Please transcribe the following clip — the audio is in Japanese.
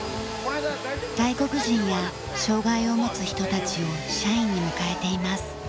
外国人や障害を持つ人たちを社員に迎えています。